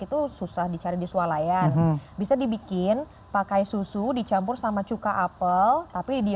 itu susah dicari di swalayan bisa dibikin pakai susu dicampur sama cuka apel tapi di diemin dulu